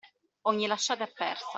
Ogni lasciata è persa.